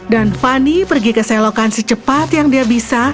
dan fanny pergi ke selokan secepat yang dia bisa